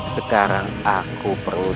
sekarang aku perlu